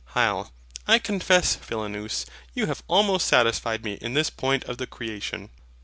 HYL. I confess, Philonous, you have almost satisfied me in this point of the creation.